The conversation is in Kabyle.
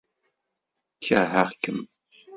Kerheɣ-kem.